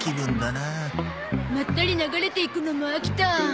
まったり流れていくのも飽きた。